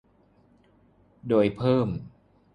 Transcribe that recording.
โดยเพิ่ม